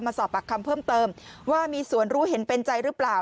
สอบปากคำเพิ่มเติมว่ามีส่วนรู้เห็นเป็นใจหรือเปล่า